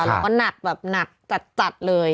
แล้วก็หนักแบบหนักจัดเลย